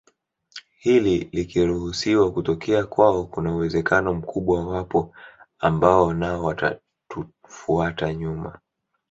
Hili likiruhusiwa kutokea kwao kuna uwezekano mkubwa wapo ambao nao watatufuata nyuma